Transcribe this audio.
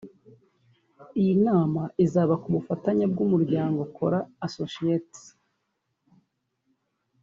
Iyi nama izaba ku bufatanye bw’Umuryango Kora Associates